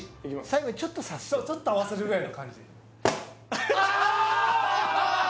最後にちょっと刺すちょっと合わせるぐらいの感じああー！